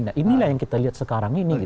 nah inilah yang kita lihat sekarang ini